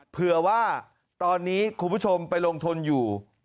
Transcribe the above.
เผื่อว่าตอนนี้คุณผู้ชมไปลงทุนอยู่